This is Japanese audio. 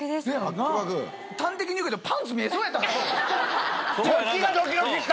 端的に言うけどパンツ見えそうやった。